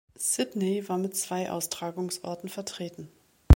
Sydney war mit zwei Austragungsorten vertreten.